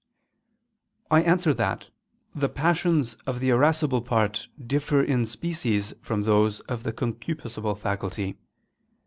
I answer that, The passions of the irascible part differ in species from those of the concupiscible faculty.